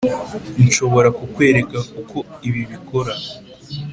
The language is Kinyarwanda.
nshobora kukwereka uko ibi bikora.